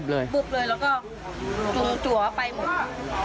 ปุ๊บเลยแล้วก็จุงจัวไปหมด